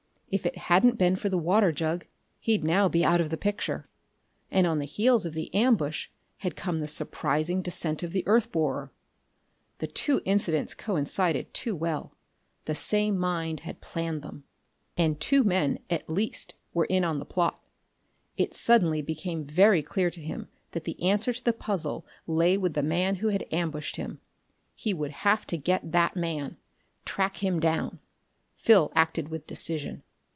If it hadn't been for the water jug, he'd now be out of the picture. And on the heels of the ambush had came the surprising descent of the earth borer. The two incidents coincided too well: the same mind had planned them. And two, men, at least, were in on the plot.... It suddenly became very clear to him that the answer to the puzzle lay with the man who had ambushed him. He would have to get that man. Track him down. Phil acted with decision.